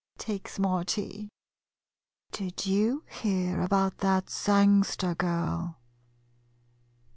[Takes more tea.] Did you hear about that Sangster girl?